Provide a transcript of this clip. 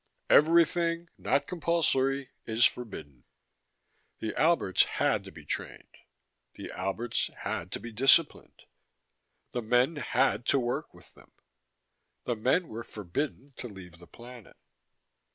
EVERYTHING NOT COMPULSORY IS FORBIDDEN The Alberts had to be trained. The Alberts had to be disciplined. The men had to work with them. The men were forbidden to leave the planet.